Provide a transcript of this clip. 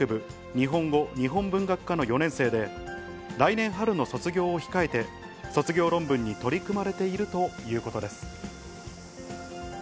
日本語日本文学科の４年生で、来年春の卒業を控えて、卒業論文に取り組まれているということです。